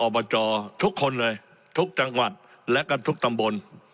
จอทุกคนเลยทุกจังหวัดและกันทุกตำบล